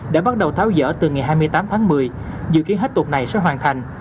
đã bắt đầu tháo dỡ từ ngày hai mươi tám tháng một mươi dự kiến hết tục này sẽ hoàn thành